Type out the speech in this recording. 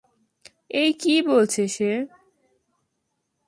এই কী বলছে সে?